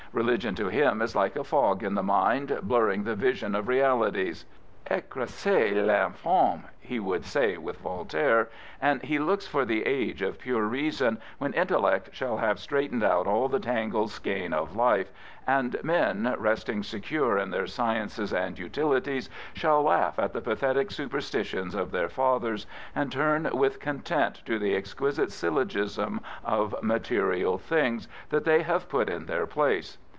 Religion to him is like a fog in the mind, blurring the vision of realities. " Ecrasez Vlnfdme, he would say with Voltaire, and he looks for the age of pure reason, when intellect shall have straightened out all the tangled skein of life, and men, resting secure in their sciences and utiliti^, shall laugh at the pathetic superstitions "^""their fathers, and turn with content to the . exqipsite | s yl logism of material things that they have put in tneTr place.